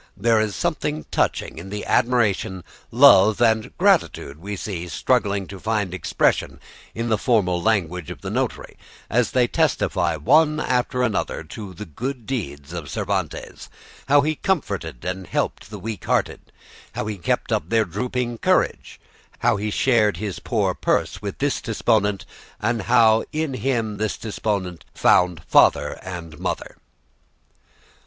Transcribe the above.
There is something touching in the admiration, love, and gratitude we see struggling to find expression in the formal language of the notary, as they testify one after another to the good deeds of Cervantes, how he comforted and helped the weak hearted, how he kept up their drooping courage, how he shared his poor purse with this deponent, and how "in him this deponent found father and mother."